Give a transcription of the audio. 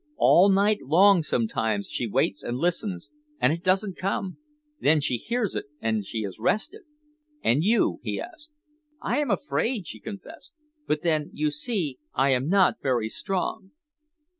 All night long sometimes she waits and listens, and it doesn't come. Then she hears it, and she is rested." "And you?" he asked. "I am afraid," she confessed. "But then, you see, I am not very strong."